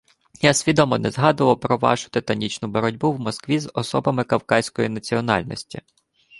Я свідомо не згадував про вашу титанічну боротьбу в Москві з «особами кавказької національності»